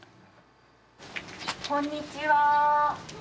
こんにちは。